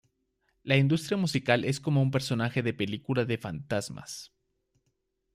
La industria musical es como un personaje de película de fantasmas